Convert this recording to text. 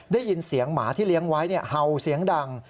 ได้ยินเสียงหมาที่เลี้ยงไว้เห่าเสียงดัง